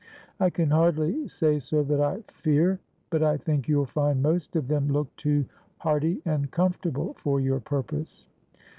"I can hardly say, sir, that I fear, but I think you'll find most of them look too hearty and comfortable for your purpose."